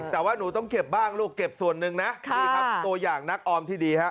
แต่ว่าหนูต้องเก็บบ้างลูกเก็บส่วนหนึ่งนะนี่ครับตัวอย่างนักออมที่ดีฮะ